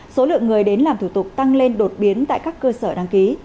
số lượng người đến làm thủ tục tăng lên đột biến tại các cơ sở đăng ký